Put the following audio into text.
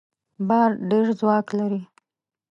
باز ډېر ځواک لري